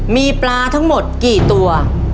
มีปลาทั้งหมดกี่ตัว